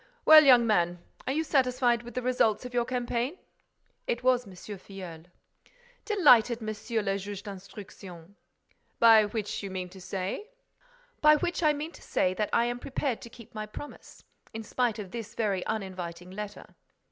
"Well, young man, are you satisfied with the results of your campaign?" It was M. Filleul. "Delighted, Monsieur le Juge d'Instruction." "By which you mean to say—?" "By which I mean to say that I am prepared to keep my promise—in spite of this very uninviting letter."